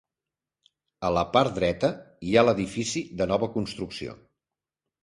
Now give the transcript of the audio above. A la part dreta, hi ha l'edifici de nova construcció.